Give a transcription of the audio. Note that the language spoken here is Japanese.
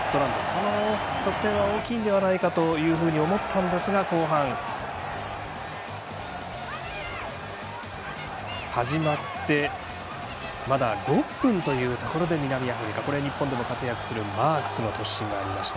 この得点は大きいのではないかと思ったんですが後半、始まってまだ６分というところで南アフリカ、日本でも活躍するマークスの突進がありました。